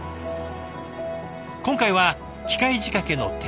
今回は機械仕掛けの展示。